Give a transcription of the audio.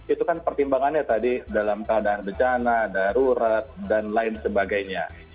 itu kan pertimbangannya tadi dalam keadaan bencana darurat dan lain sebagainya